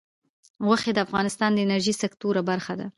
غوښې د افغانستان د انرژۍ سکتور برخه ده.